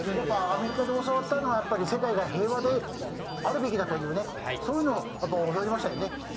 アメリカで教わったのは世界が平和であるべきだというそういうのを教わりましたよね。